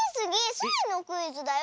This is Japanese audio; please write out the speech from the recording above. スイのクイズだよ。